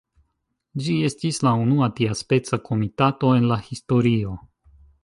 Ĝi estis la unua tiaspeca komitato en la historio.